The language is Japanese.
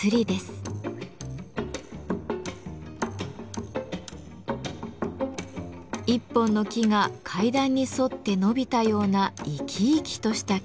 一本の木が階段に沿って伸びたような生き生きとした曲線。